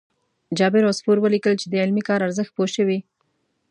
جابر عصفور ولیکل چې د علمي کار ارزښت پوه شوي.